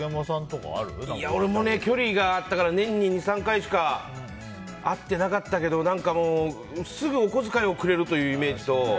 俺もね、距離があったから年に２３回しか会ってなかったけどすぐお小遣いをくれるというイメージと。